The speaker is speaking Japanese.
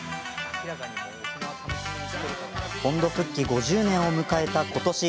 本土復帰５０年を迎えた、ことし。